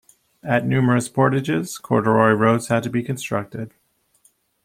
At numerous portages, corduroy roads had to be constructed.